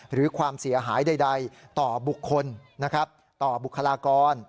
หรือความเสียหายใดต่อบุคคลนะครับต่อบุคลากร